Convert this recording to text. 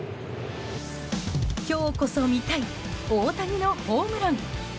今日こそ見たい大谷のホームラン。